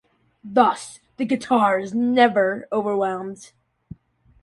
Thus, the guitar is never overwhelmed.